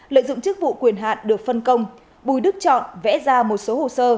lợi dụng chức vụ quyền hạn được phân công bùi đức chọn vẽ ra một số hồ sơ